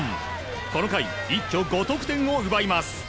この回、一挙５得点を奪います。